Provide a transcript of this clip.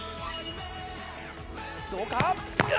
どうか？